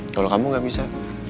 kalau kamu gak bisa